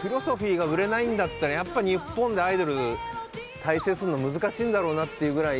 フィロソフィーが売れないんだったら日本でアイドル大成するの難しいんだろうなってぐらい。